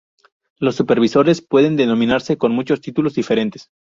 Los supervisores pueden denominarse con muchos títulos diferentes.